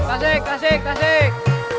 tasik tasik tasik